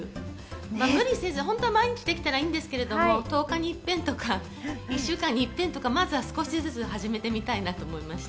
無理せず毎日できたらいいですけど、１０日にいっぺんとか、１週間にいっぺん、少しずつ始めてみたいと思います。